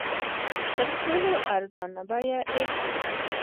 تر ټولو ارزانه بیه ایښې ده.